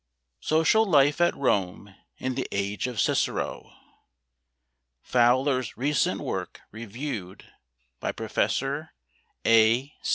Social Life at Rome in the Age of Cicero FOWLER'S RECENT WORK REVIEWED BY PROFESSOR A.